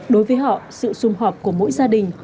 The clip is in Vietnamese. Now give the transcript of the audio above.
đối với họ sự xung họp của mỗi gia đình